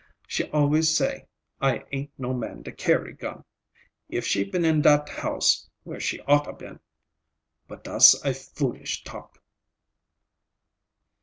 She always say I ain't no man to carry gun. If she been in dat house, where she ought a been—But das a foolish talk."